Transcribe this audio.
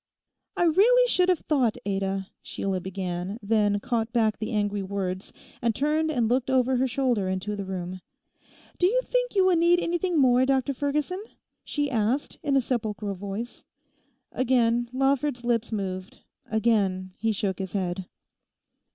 'I really should have thought, Ada,' Sheila began, then caught back the angry words, and turned and looked over her shoulder into the room. 'Do you think you will need anything more, Dr Ferguson?' she asked in a sepulchral voice. Again Lawford's lips moved; again he shook his head.